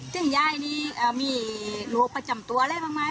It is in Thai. นี่ยายนี่มีโหมประจำตัวอะไรแบบมายคะ